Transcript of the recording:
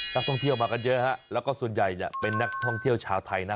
นักท่องเที่ยวมากันเยอะฮะแล้วก็ส่วนใหญ่เนี่ยเป็นนักท่องเที่ยวชาวไทยนะ